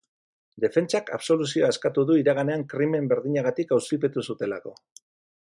Defentsak absoluzioa eskatu du iraganean krimen berdinagatik auzipetu zutelako.